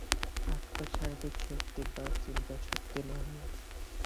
আত্মা শারীরিক শক্তি বা চিন্তাশক্তি নহে।